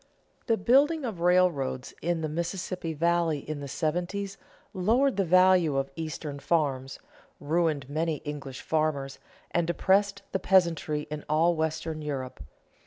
The building of railroads in the Mississippi valley in the seventies lowered the value of Eastern farms, ruined many English farmers, and depressed the peasantry in all western Europe.